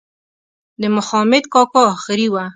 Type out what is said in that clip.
د مخامد کاکا آخري وه.